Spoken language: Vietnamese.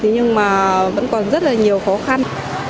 nhưng mà vẫn còn rất là nhiều khó khăn